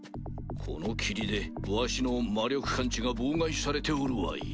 この霧でわしの魔力感知が妨害されておるわい。